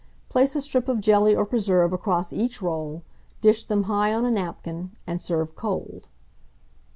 Place a strip of jelly or preserve across each roll, dish them high on a napkin, and serve cold.